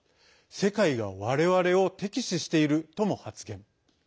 世界が、われわれを敵視しているとも発言。